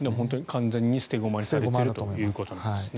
完全に捨て駒にされているということですね。